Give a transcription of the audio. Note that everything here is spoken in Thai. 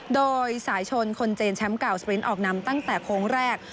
โดยสายชนคนเจนแชมป์เก่าสปรินท์ออกนำตั้งแต่โค้งแรก